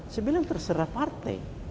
saya bilang terserah partai